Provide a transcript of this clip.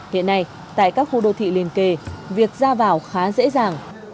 hiện nay tại các khu đô thị liên kề việc ra vào khá dễ dàng